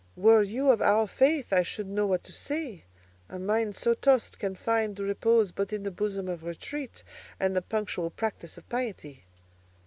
Were you of our faith I should know what to say—a mind so tossed can find repose but in the bosom of retreat, and the punctual practice of piety.